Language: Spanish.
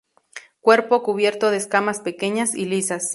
Cuerpo cubierto de escamas pequeñas y lisas.